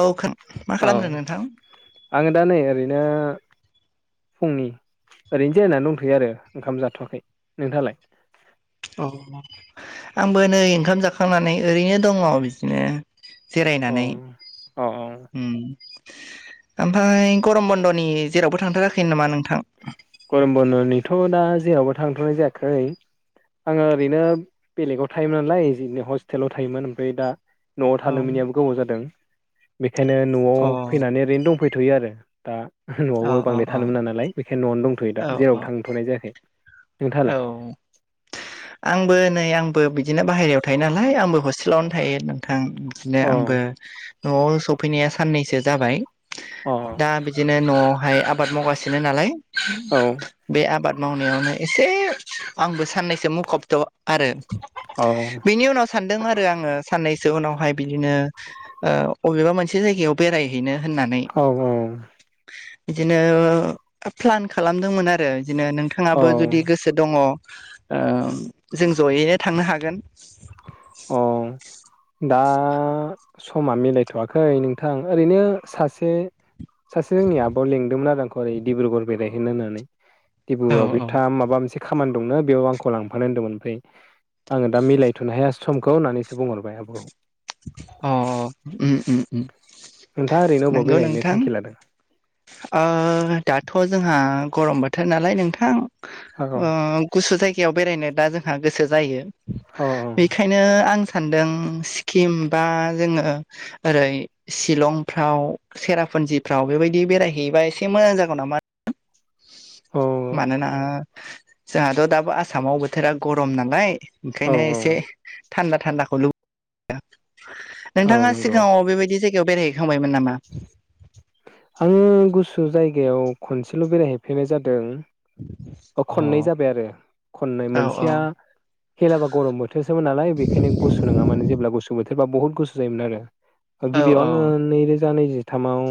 औखो औ आङो दा नै ओरैनो फुंनि ओरैनो जेरायनानै दंथ'यो आरो ओंखाम जाथ'वाखै नोंथालाय? औ आंबो नै ओंखाम जाखांनानै ओरैनो दङ। बिदिनो अ जिरायनानै अ अ उम ओमफाय गरम बन्द'नि जेरावबो थांथाराखै नामा नोंथां? गरम बन्द'निथ' दा जेरावबो थांथ'नाय जायाखै। आङो ओरैनो बेलेगाव थायोमोन नालायनो हस्टेलाव थायोमोन ओमफ्राय दा न'आव औ थानो मोननियाबो गोबाव जादों बेखायनो न'आव अ फैनानै ओरैनो दंफैथ'यो आरो। दा अ न'आवबो बांद्राय अ थानो मोना नालाय बेखायनो न'आवनो दंथ'यो औ दा जेरावबो थांथ'नाय जायाखै। नोंथाङालाय औ। आंबो नै आंबो बिदिनो बाहेरायाव थायो नालाय आंबो हस्टेलावनो थायो। नों थां बिदिनो अ आंबो न'आव सफैनाया साननैसो जाबाय। औ दा बि दिनो न'आवहाय आबाद मावगासिनो नालाय औ बे आबाद मावनायावनो एसे आंबो साननैसो मुखबथ' आरो बेनि उनाव सानदों आरो आङो साननैसो उनावहाय बिदिनो अबेबा मोनसे जायगायाव बेरायहैनो होननानै। औ बिदिनो प्लान खालामदोंमोन आरो बिदिनो नोंथाङा औ बो जुदि गोसो दङ ओ जों जयैनो थांनो हागोन। [unintelligible] औ [inaudible] दा समा मिलायथ'वाखै नोंथां ओरैनो सासे सासे जोंनि आब'आव लेंदोंमोन आरो आंखौ ओरै डिब्रिगर बेरायहैनो होननानै औ डब्रिगरआव औ बिथांङा माबा मोनसे खामानि दंना बेयाव आंखौ लांफानो होन्दोंमोन। ओमफ्राय आङो दा मिलायथ'नो हायासै। समखौ होननानैसो बुंहरबाय आबौखौ। अ-अ उम-उम-उम नोंथाङा ओरैनो अबाव नंगौ बेरायहैनो नोंथां। थांखि लादों ओ दाथ' जोंहा गरम बोथोर नालाय नोंथां। औ ओ गुसु जायगायाव बेरायनो दा जोंहा गोसो जायो। अ अह। ओंखायनो आं सान्दों सिकिम बा जोङो ओरै शिलंफ्राव सेरापुन्जिफ्राव बेबायदि बेरायहैयोबा एसे मोजां जागौ नामा औ मानोना जोंहाथ' दाबो आसामाव बोथोरा गरम नालाय औ ओंखायनो औ एसे थान्दा थान्दाखौ लुबैयो। औ नोंथाङा नंगौ सिगाङाव बेबायदि जायगायाव बेरायहैखांबायमोन नामा? आङो गुसु जायगायाव खनसेल' बेरायहैफैनाय जादों। अ औ खननै जाबाय आरो खननै। औ औ मोनसेया हेलाबा गरम बोथोरसोमोन नालाय बेखायनो गुसु नङामोन। जेब्ला गुसु बोथोरा बहुत गुसु जोयोमोन आरो। [inaudible] गिबियाव आङो नैरोजा नैजि थामाव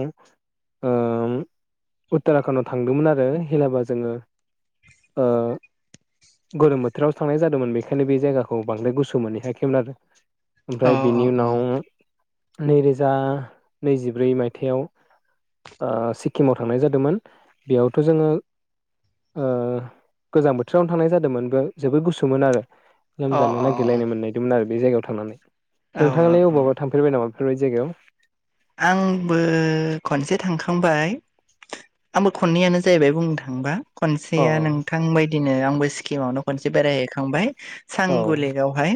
उत्तराखन्डआव थांदोंमोन आरो। हेलाबा जोङो ओ गोरोम बोथोराव थांनाय जादोंमोन बेखायनो बे जायगाखौ बांद्राय गुसु मोनहैयाखैमोन आरो। औ ओमफ्राय बेनि औ उनाव नैरोजा नैजिब्रै मायथाइयाव ओ सिक्किमाव थांनाय जादोंमोन। बेयावथ' जोङो ओह गोजां बोथोरावनो थांनाय जादोंमोन बे जोबोद गुसुमोन आरो अ लोमजानो अ नागिरनो मोननाय। मोन आरो बे जायगायाव थांनानै। औ नोंथाङालाय औ अबावबा थांफेरबाय नामा बेफोरबायदि जायगायाव? आंबो खनसे थांखांबाय। आंबो खननैयानो जाहैबाय बुंनो थाङोबा खनसेया नोंथां बायदिनो आंबो सिक्किमावनो खनसे बेरायहैखांबाय। सांगु लेकवहाय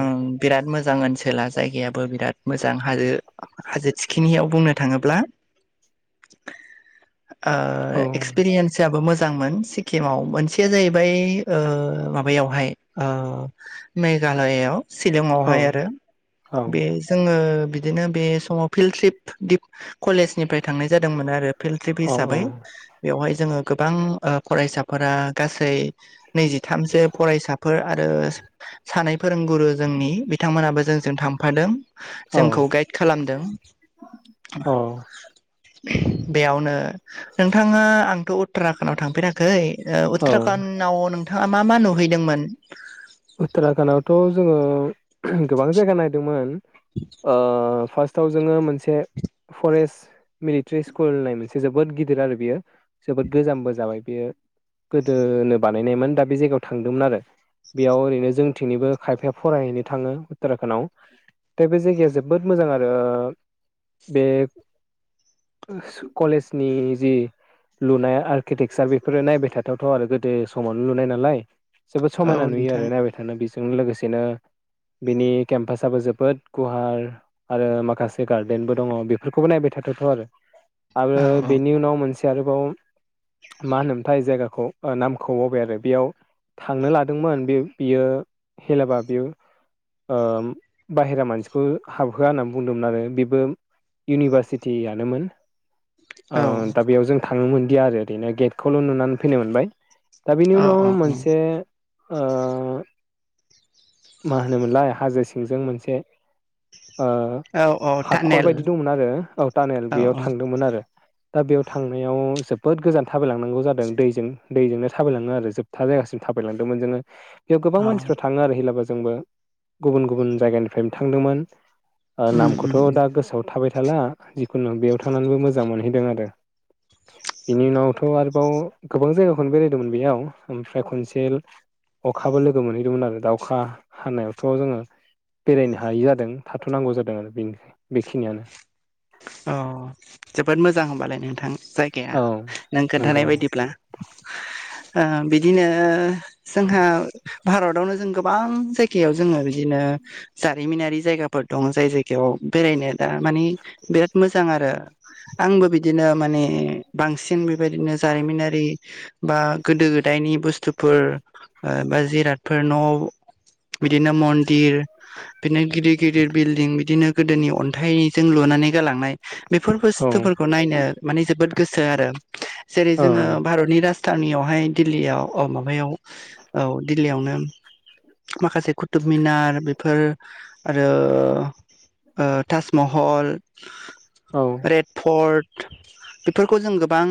ओम बिराद मोजां ओनसोला जायगायाबो बिराद मोजां हाजो थिखिनियाव बुंनो थाङोब्ला ओ एक्सपिरियेन्साबो मोजांमोन। सि किमाव मोनसेया जाहैबाय ओ माबायावहाय ओ मेघालयआव शिलंआवहाय आरो बे उत्तराखन्डआवथ' जोङो बिदिनो् बे समाव फिल्ड ट्रिप दिप कलेजनिफ्राय थांनाय जादोंमोन आरो फिल्ड ट्रिप हिसाबै। बेवहाय जोङो गोबां ओ फरायसाफोरा गासै नैजिथामसो फरायसाफोर आरो सानै फोरोंगुरु जोंनि बिथांमोनाबो जोंजों थांफादों। जोंखौ गाइड खालामदों। बेयावन नोंथाङा आंथ' उत्तराखान्डआव थांफेराखै। ओ उत्तराखडआव नोंथाङा मा मा नुहैदोंमोन? उत्तराखणडआवथ' जोङो गोबां जायगा नायदोंमोन। ओ फार्स्ट टाव जोङो मोनसे फरेस्ट मिलिट्रि स्कुल होननाय मोनसे जोबोद गिदिर आरो बेयो जोबोद गोजामबो जाबाय बेयो। गोदोनो बानायनायमोन दा बे जायगायाव थांदोंमोन आरो। बेयाव ओरैनो जोंथिंनिबो खायफाया फरायहैनो थाङो उत्तराखणडआव। दा बे जायगाया जोबोद मोजां आरो बे कलेजनि जि लुनाय आर्किटेक्सार बेफोरो नायबाय थाथावथ' आरो। गोदो समावनो लुनाय नालाय जोबोद औ समायना न नोंथां बायथानो। बेजों लोगोसेनो बिनि केम्पासाबो जोबोद गुवार। आरो माखासे गार्देनबो दङ बेफोरखौबो नायबाय थाथावथाव' आरो। आरो औ बेनि उनाव मोनसे आरोबाव मा होनोमथाय जायगाखौ ओ नामखौ बावबाय आरो बेयाव थांनो लाद मोन बे बियो हेलाबा बियो ओ बाहेरा मानसिखौ हाबहोआ होननानै बुंदोंमोन आरो बेबो इउनिभारसिटियानोमोन। औ दा बेयाव जों थांनो मोनदिया आरो ओरैनो गेटखौल' नुनानै फैनो मोनबाय। दा बिनि औ उनाव औ औ मोनसे ओ मा होनोमोनलाय हाजो सिंजों मोनसे ओ औ औ हाखर टानेल बायदि दंमोन आरो औ टानेल औ बेयाव औ थांदोंमोन आरो। दा बेयाव थांनायाव जोबोद गोजान थाबायलांनांगौ जादों दैजों दैजोंनो थाबायलाङो आरो जोब था जायगासिम थाबायलांदोंमोन जोङो। बेव गोबां औ मानसिफ्रा थाङो आरो हिलाबो जोंबो गुबुन गुबुन जायगानिफ्रायनो थांदोंमोन। ओ उम नामखौथ' उम दा गोसोआव थाबाय थाला जिखुनु बेयाव थांनानैबो मोजां मोनहैदों आरो। बेनि उनावथ' आरोबाव गोबां जायगाखौनो बेरायदोंमोन बेयाव ओमफ्राय खनसे अखाबो लोगो मोनहैदोंमोन आरो दा अखा हानायावथ' जोङो बेरायनो हायि जादों थाथ'नांगौ जादों आरो बेनो बेखिनियानो। अ' जोबोद मोजां होमबालाय नोंथां जायगाया औ नों खोन्थानाय नंगौ बायदिब्ला। ओ बिदिनो जोंहा भारतआवनो जों गोबां जायगायाव जोङो बिदिनो जारिमिनारि जायगाफोर दं जाय जायगायाव बेरायनो दा मानि बिराद मोजां आरो। आंबो बिदिनो माने बांसिन बेबायदिनो जारिमिनारि बा गोदो गोदायनि बुस्थुफोर बा जिरादफोर न' बिदिनो मन्दिर, बिदिनो गिदिर गिदिर बिल्डिं दिनो गोदोनि अन्थाइजों लुनानै गालांनाय बेफोर औ बुस्थुफोर खौ नायनो माने जोबोद गोसो आरो। जेरै औ जोङो भारतनि राजथानियावहाय दिल्लीआव अ' माबायाव औ दिल्लीआवनो माखासे कुतुब मिनार फोर आरो ओ ताजमहल औ रेड फर्ट बेफोरखौ जों गोबां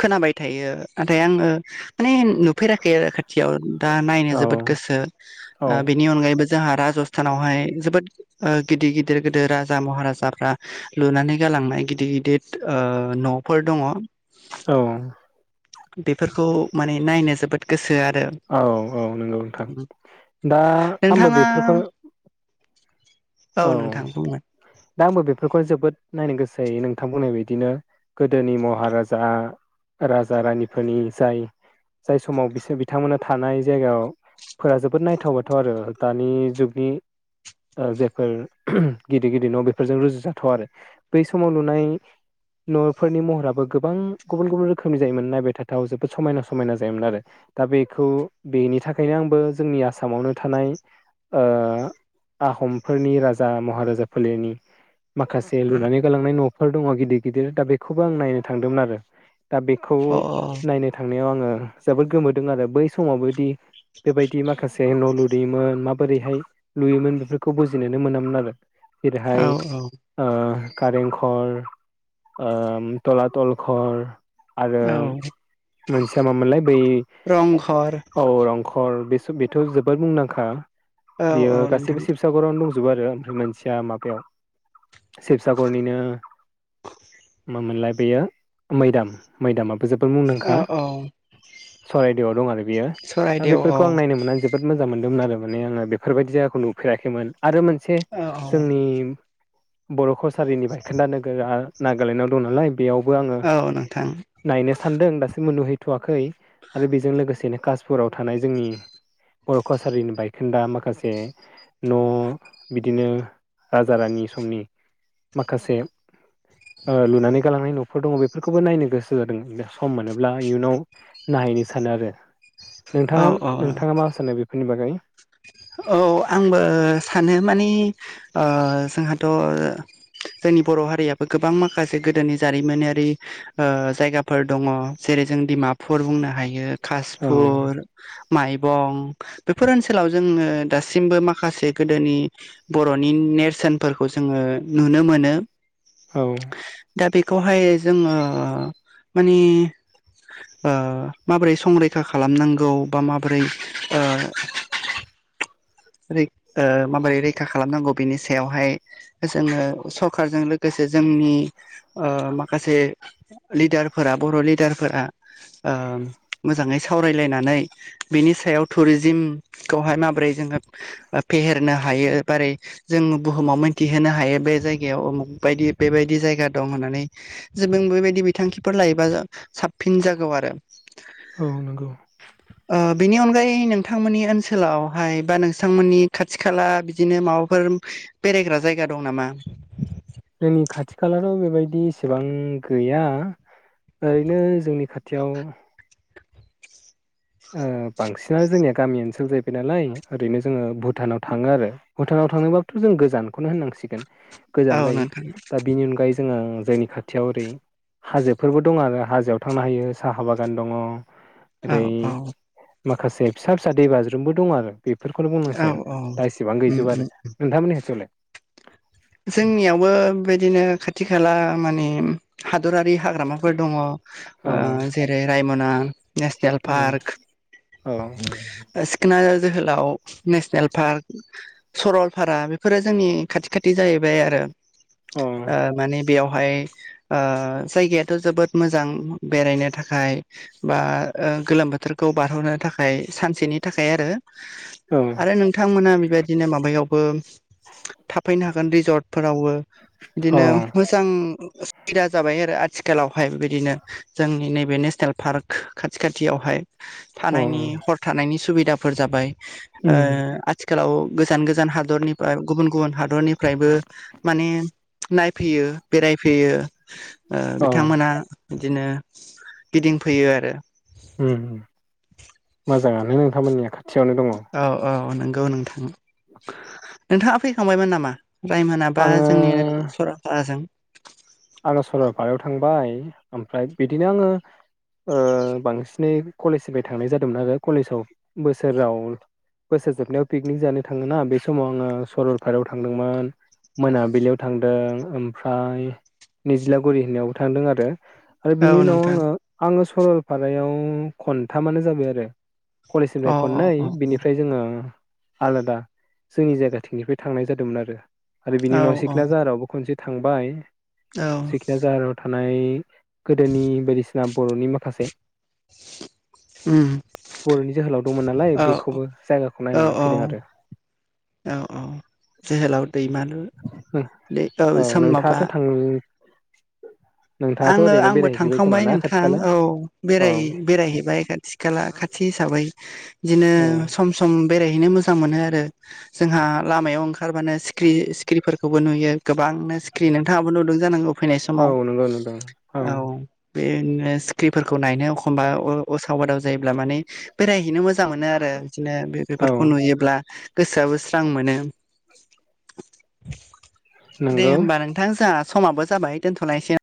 खोनाबाय थायो नाथाय आङो माने नुफेराखै आरो खाथियाव दा नायनो जोबोद गोसो ओ औ बि नि अनगायैबो जोंहा राजस्थानआव हाय जोबोद ओ गिदिर गिदिर गोदो राजा महाराजाफ्रा लुनानै गालांनाय गिदिर गिदिर ओ न'फोर दङ'। औ। बेफोरखौ माने नायनो जोबोद गोसो आरो। औ औ नंगौ नोंथां। दा आंबो नोंथाङा बेफोरखौ औ नोंथां बुंलाय। दा आंबो बेफोरखौ जोबोद नायनो गोसो जायो नोंथां बुंनाय बायदिनो। गोदोनि महाराजा, राजा रानिफोरनि जाय जाय समाव बिसोर बिथांमोना थानाय जायगायाव फोरा जोबोद नायथाव बाथाव आरो दानि जुगनि ओ जे फोर गिदिर गिदिर न' बेफोरजों रुजुजाथाव आरो बै समाव लुनाय न'फोरनि महराबो गोबां गुबुन गुबुन रोखोमनि जायोमोन नायबाय थाथाव जोबोद समायना समायना जायोमोन आरो। दा बेखौ बेनि थाखायनो आंबो जोंनि आसामआवनो थानाय ओ आहमफोरनि राजा महाराजा फोलेरनि माखासे लुनानै गालांनाय न'फोर दङ' गिदिर गिदिर दा बेखौबो आं नायनो थांदोंमोन आरो। दा बेखौ अ नायनो थांनायाव आङो जोबोद गोमोदों आरो बै समावबोदि बेबायदि माखासे न' लुदैयोमोन माबोरैहाय लुयोमोन बेफोर खौ बुजिनोनो मोनामोन आरो। जेरैहाय अ औ औ ओ कारेंघर ओम थलाथल घर आरो औ मोनसेया मामोनलाय बै रंघर अ' रं घर बेस-बेथ' जोबोर मुंदांखा औ बियो औ गासिबो नोंथां शिबसागरआवनो दंजोबो आरो ओमफ्राय मोनसेया माबायाव शिबसागरनिनो मा मोनलाय बेयो मैदाम मैदामाबो जोबोर औ मुंदांखा औ चरायदेवआव दं आरो बेयो। दा सरायदेव बेफोरखौ औ आं नायनो मोन्नानै जो बोर मोजां मोनदोंमोन आरो माने आङो बेफोरबायदि जायगाखौ नुफेराखैमोन, आरो मोनसे औ औ जोंनि बर' कसारिनि बायखोन्दा नोगोरा नागालेण्डआव दं नालाय बेयावबो आङो औ नोंथां नायनो सान्दों दासिमबो नुहैथ'वाखै आरो बेजों लोगोसेनो कासपुराव थानाय जोंनि बर' कसारिनि बायखोन्दा माखासे न' बिदिनो राजा रानि समनि माखासे ओ लुनानै गालांनाय न'फोर दङ' बेफोरखौबो नायनो गोसो जादों दा सम मोनोब्ला इयुनाव नाहैनो सानो आरो औ नोंथाङा औ नोंथाङा मा सानो बेफोरनि बागै औ आंबो सानो मानि ओ-जोंहाथ' जोंनि बर' हारियाबो गोबां माखासे गोदोनि जारिमिनारि ओ-जायगाफोर दङ जेरै जों डिमापुर बुंनो हायो। औ कासपुर माइबं बेफोर ओनसोलाव जोङो दासिमबो माखासे गोदोनि बर'नि नेरसोनफोरखौ जोङो नुनो मोनो। औ। दा बेखौहाय जोङो मानि ओ-माबोरै संरैखा खालामनांगौ बा माबोरै ओ- रै ओ-माबोरै रैखा खालामनांगौ बिनि सायावहाय जोङो सरखारजों लोगोसे ओ जोंनि माखासे लिडारफोरा बर' लिडारफोरा ओ-मोजाङै सावरायलायनानै बिनि सायाव टुरिजिम खौहाय माबोरै जोङो ओ-फेहेरनो हायो बारै जों बुहुमाव मोनथिहोनो हायो बे जायगायाव अमुक बायदि बेबायदि जायगा दं होननानै। जे बेबायदि बिथांखिफोर लायोबा साबसिन जागौ आरो। औ नंगौ ओ बेनि अनगायै नोंथांमोननि ओन- -सोलावहाय बा नोंथांमोननि खाथि खाला बिदिनो माबाफोर। बेरायग्रा जायगा दं नामा? जोंनि खाथि खालाथ' बेबायदि एसेबां गैया। ओरैनो जोंनि खाथियाव ओ बांसिनानो जोंनिया गामि ओनसोल जाहैबाय नालाय ओरैनो जोङो भुटानाव थाङो आरो। भुटानाव थांनोबाबोथ' जों गोजानखौनो होननांसिगोन। औ गोजान जायो नोंथां दा बिनि अनगायै जोङो जोंनि खा - थियाव ओरै हाजोफोरबो दंङ आरो हाजोआव थांनो हायो साहा बागान दंङ। औ औ माखासे फिसा फिसा दैबाज्रुमबो दं आरो। बेफोरखौनो औ बुंनांसिगोन औ दा एसिबां उम गैजोबा उम आरो नोंथांमोननि खाथियावलाय? जोंनियावबो बेदिनो खाथि खाला माने हादरारि हाग्रामाफोर दंङ। औ ओ-जेरै रायम'ना नेसनेल औ पार्क। औ सिखोना जोहोलाव नेसनेल पार्क सरलपारा बेफोरो जोंनि खाथि खाथि। दथ जाहैबाय आरो ओ माने बेयाव -हाय ओ जायगायाथ' जोबोद मोजां बेरायनो थाखाय। बा ओ गोलोम बोथोरखौ बारहरनो थाखाय सानसेनि थाखाय आरो। औ आरो नोंथांमोना बेबायदिनो माबायावबो। फैनो हागोन रिजर्टफोरावबो। औ बिदिनो मोजां सुबिदा जाबाय आरो आ- थिखालावहाय बेबायदिनो जोंनि नैबे नेसनेल पार्क खाथि खाथियावहाय। औ थानायनि हर थानायनि सुबिदाफोर जाबाय ओ उम आथ थिखालाव गोजान गोजान हादरनिफाय गुबुन गुबुन हादरनिफ्रायबो माने नायफैयो बेरायफैयो ओ औ बिथांमोना। बिदिनो गिदिंफैयो आरो। उम उम मोजाङानो नोंथांमोननिया खाथियावनो दंङ। औ औ नोंगौ नोंथां। नोंथाङा फैखांबायमोन नामा? रायमोना बा आङो जोंनि ओरै सरलफाराजों? आंङो सरलपारायाव थांबाय ओमफ्राय बिदिनो आंङो। ओ बांसिनै कलेजनिफ्राय थांनाय जादोंमोन आरो कलेजाव बोसोराव। बोसोर जोबनायाव पिकनिक जानो थाङोना बे समाव आङो सरलपारायाव थांदोंमोन। मोनाबिलियाव थांदों ओमफ्राय निजलागुरि होननायावबो थांदों आरो आरो औ बिनि उनाव नोंथां आंङो आंङो सरलपारायाव खन्थामानो जाबाय आरो। कलेजनिफ्राय अ खननै अ बिनिफ्राय जोंङो आलादा जोंनि जायगाथिंनिफ्राय थांनाय जादोंमोन आरो औ बिनि उनाव औ सिखना जाहारावबो खनसे थांबाय औ सिखना जाहाराव थानाय गोदोनि बायदिसिना बर'नि माखासे [unintelligible] बर'नि जोहोलाव दंमोन नालाय औ बेखौबो जायगाखौ औ नायनानै फैदों आरो। औ औ जोहोलाव दैमालु दै औ सोम माबा नोंथाङाथ' थां नोंथाङाथ' आंङो ओरैनो आंबो बेरायहैजोब्बाय खोमा थांखांबाय ना खाथि नोंथां खाला औ औ बेराय बेरायहैबाय खाथि खाला खाथि हिसाबै। बिदिनो औ सम सम बेरायहैनो मोजां मोनो आरो, जोंहा लामायाव ओंखारबानो सिखिरि सिखिरिफोर खौबो नुयो गोबांनो स्क्रि नोंथाङाबो नुदों जानांगौ फैनाय औ समाव। नंगौ नंगौ औ बेनो सिख्रिफोरखौ नायनो एखमबा असाव बादाव जायोब्ला माने बेरायहैनो मोजां मोनो आरो बिदिनो औ बेफोरखौ नुयोब्ला गोसोआबो स्रां मोनो। दे नंगौ होमबा नोंथां जोंहा समाबो जाबाय दोनथ'लायसै